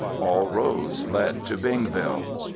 All roads led to Bingville.